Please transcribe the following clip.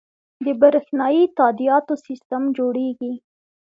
د بریښنایی تادیاتو سیستم جوړیږي